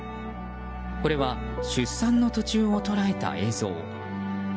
これは出産の途中を捉えた映像。